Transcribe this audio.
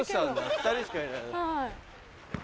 ２人しかいない。